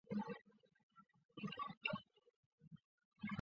合并移转英皇文化发展有限公司。